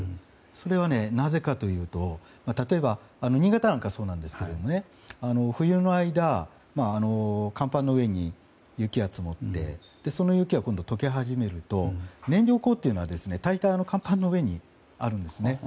それはなぜかというと例えば新潟なんかそうですけど冬の間、甲板の上に雪が積もってその雪が今度、解け始めると燃料口は大体甲板の上にあるんです。